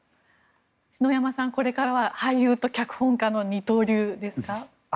篠山さん、これからは俳優と脚本家の二刀流ですか。